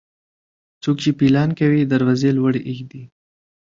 څوک چې پيلان کوي، دروازې لوړي اېږدي.